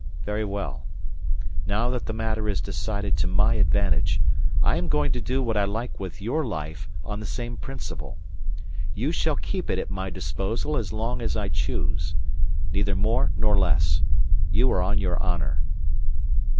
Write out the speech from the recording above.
Very well. Now that the matter is decided to my advantage, I am going to do what I like with your life on the same principle. You shall keep it at my disposal as long as I choose. Neither more nor less. You are on your honour."